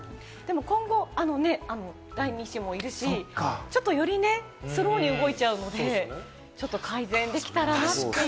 今後、第２子もいるし、ちょっとよりスローに動いちゃうので、ちょっと改善できたらなって。